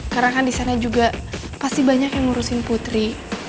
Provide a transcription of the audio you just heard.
karena kan disana juga pasti banyak yang ngurusin putri